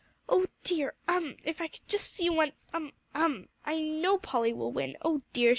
"Oh dear um! if I could just see once; um um! I know Polly will win; oh dear!